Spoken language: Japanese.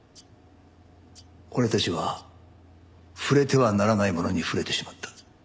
俺たちは触れてはならないものに触れてしまった。